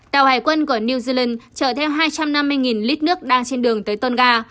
tàu hải quân của new zealand chở theo hai trăm năm mươi lít nước đang trên đường tới tonga